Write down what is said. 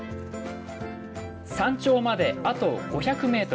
山頂まであと５００ｍ。